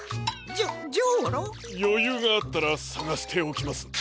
よゆうがあったらさがしておきます。